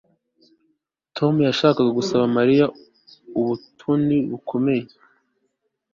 Tom yashakaga gusaba Mariya ubutoni bukomeye